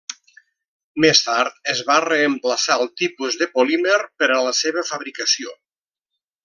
Més tard es va reemplaçar el tipus de polímer per a la seva fabricació.